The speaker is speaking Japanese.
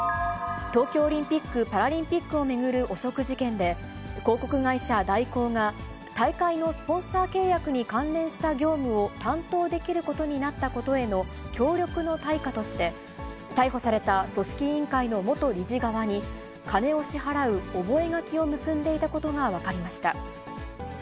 東京オリンピック・パラリンピックを巡る汚職事件で、広告会社、大広が、大会のスポンサー契約に関連した業務を担当できることになったことへの協力の対価として、逮捕された組織委員会の元理事側に、金を支払う覚書を結んでいたことが分かりました。